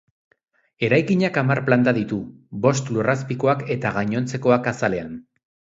Eraikinak hamar planta ditu, bost lurrazpikoak eta gainontzekoak azalean.